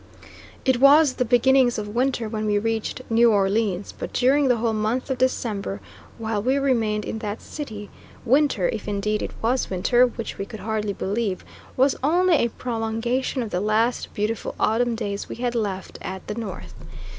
It was the beginnings of winter when we reached New Orleans; but during the whole month of December while we remained in that city, winter, if indeed it was winter, which we could hardly believe, was only a prolongation of the last beautiful autumn days we had left at the north.